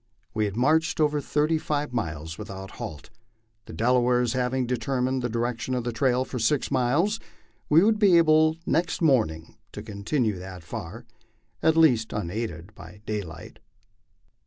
We had marched over thirty five miles without a halt. The Delawares having determined the direction of the trail for six miles, we would be able next morning to continue that far at least unaided by daylight.